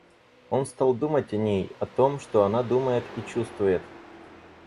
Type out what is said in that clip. Он стал думать о ней, о том, что она думает и чувствует.